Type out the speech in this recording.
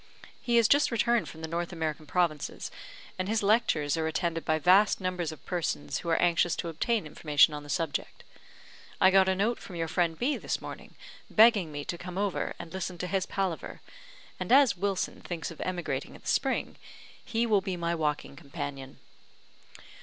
He has just returned from the North American provinces, and his lectures are attended by vast numbers of persons who are anxious to obtain information on the subject. I got a note from your friend B this morning, begging me to come over and listen to his palaver; and as Wilson thinks of emigrating in the spring, he will be my walking companion."